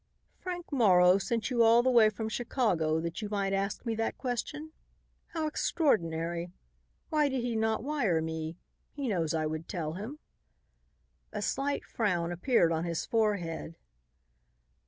"Frank Morrow sent you all the way from Chicago that you might ask me that question? How extraordinary! Why did he not wire me? He knows I would tell him." A slight frown appeared on his forehead.